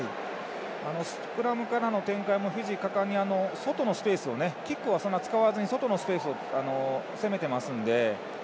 スクラムからの展開もフィジー、かかんに、キックはそんな使わずに外のスペースを攻めていますので。